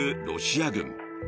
ロシア軍。